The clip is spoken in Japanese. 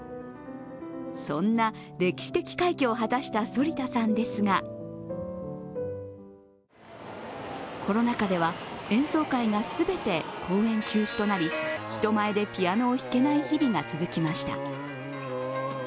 そんな歴史的快挙を果たした反田さんですがコロナ禍では演奏会がすべて公演中止となり人前でピアノを弾けない日々が続きました。